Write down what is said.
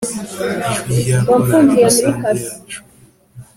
ijwi rya korari rusange yacu